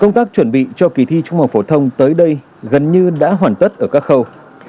công tác chuẩn bị cho kỳ thi trung học phổ thông tới đây gần như đã hoàn tất ở các khâu